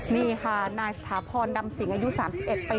นี่ค่ะนายสถาพรดำสิงอายุสามสิบเอ็ดปี